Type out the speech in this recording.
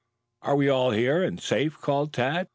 "Are we all here, and safe?" called Tad.